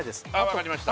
わかりました